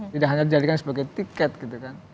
tidak hanya dijadikan sebagai tiket gitu kan